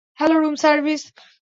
Hello, room service.